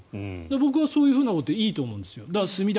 僕はそういうことでいいと思うんですよ。